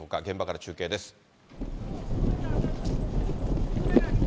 現場から中継です。